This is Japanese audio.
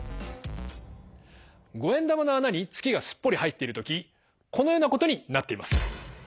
５円玉の穴に月がすっぽり入っている時このようなことになっています。